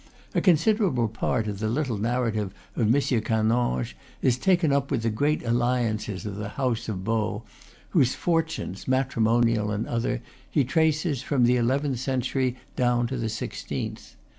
A considerable part of the little narrative of M. Canonge is taken up with the great alliances of the House of Baux, whose fortunes, ma trimonial and other, he traces from the eleventh cen tury down to the sixteenth.